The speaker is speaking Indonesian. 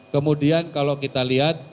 kemudian kalau kita lihat